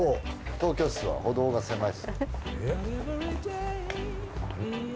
東京は歩道が狭い。